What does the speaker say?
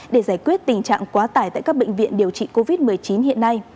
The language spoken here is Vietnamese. để giải quyết tình trạng quá tải tại các bệnh viện điều trị covid một mươi chín hiện nay